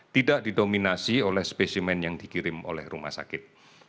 tidak didominasi oleh spesimen yang dikirim oleh rumah sakit